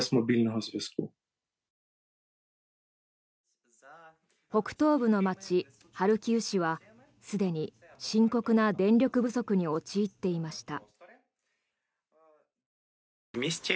ハルキウ市はすでに深刻な電力不足に陥っていました。